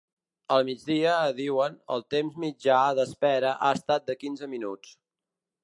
Al migdia, diuen, el temps mitjà d’espera ha estat de quinze minuts.